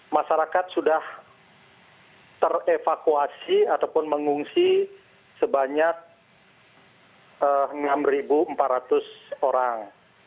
masyarakat sudah terevakuasi ataupun mengungsi sebanyak enam empat ratus orang